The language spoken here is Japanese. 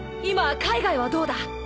今海外はどうだ？